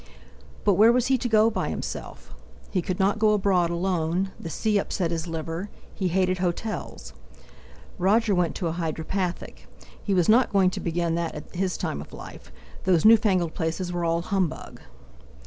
But where was he to go by himself? He could not go abroad alone; the sea upset his liver; he hated hotels. Roger went to a hydropathic—he was not going to begin that at his time of life, those new fangled places were all humbug!